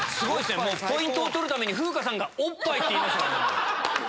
ポイントを取るために風花さんが「おっぱい」って言いましたからね。